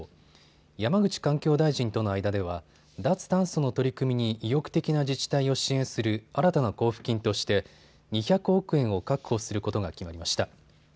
山口環境大臣との間では脱炭素の取り組みに意欲的な自治体を支援する新たな交付金として２００億円を確保することが決まりました。